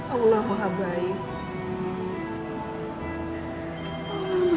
allah muha baik